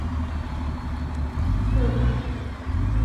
chakula cha mahindi viazi mchele na kabichi